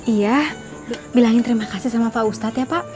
iya bilangin terima kasih sama pak ustadz ya pak